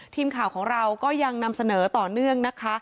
ทีมข่าวของเราก็ยังนำเสนอต่อเนื่องนะคะ